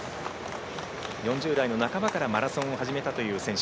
４０代の半ばからマラソンを始めた選手。